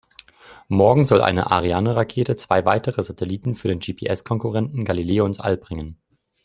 Morgen soll eine Ariane-Rakete zwei weitere Satelliten für den GPS-Konkurrenten Galileo ins All bringen.